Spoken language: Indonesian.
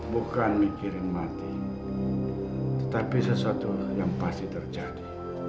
bukan mikirin mati tetapi sesuatu yang pasti terjadi